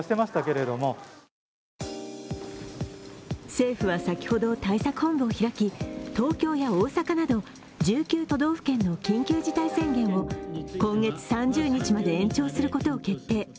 政府は先ほど対策本部を開き、東京や大阪など１９都道府県の緊急事態宣言を今月３０日まで延長することを決定。